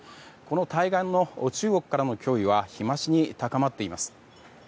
対岸の中国からの脅威は日増しに高まっています。